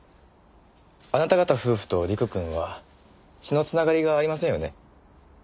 あなた方夫婦と陸くんは血の繋がりがありませんよね。